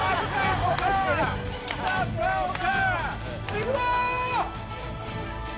いくぞ！